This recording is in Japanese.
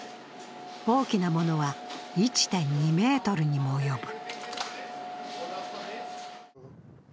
大きなものは１．２ｍにも及ぶ。